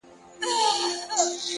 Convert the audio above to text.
• عمر تېر سو کفن کښ د خدای په کار سو,